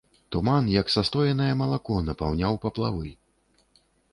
Туман, як састоенае малако, напаўняў паплавы.